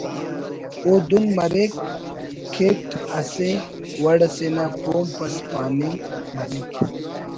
او دن مریک کیٹ اسہ وڑ اسے نا پومپ اس پاننگ مریک